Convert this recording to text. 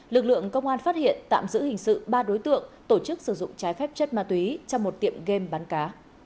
lực lượng công an phát hiện tạm giữ hình sự ba đối tượng tổ chức sử dụng trái phép chất ma túy trong một tiệm game bán cá